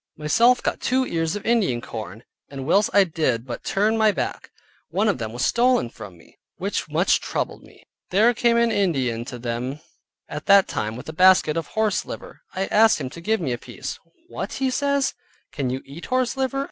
Myself got two ears of Indian corn, and whilst I did but turn my back, one of them was stolen from me, which much troubled me. There came an Indian to them at that time with a basket of horse liver. I asked him to give me a piece. "What," says he, "can you eat horse liver?"